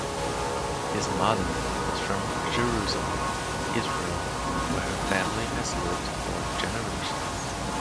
His mother is from Jerusalem, Israel, where her family has lived for generations.